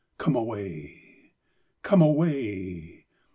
"Come away, come away!